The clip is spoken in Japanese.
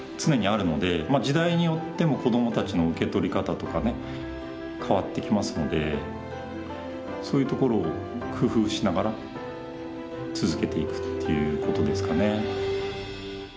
時代によっても子どもたちの受け取り方とかね変わってきますのでそういうところを工夫しながら続けていくっていうことですかね。